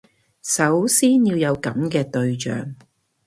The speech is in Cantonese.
首先要有噉嘅對象